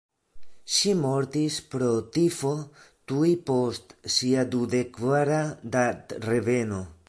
Ŝi mortis pro tifo tuj post sia dudek kvara datreveno.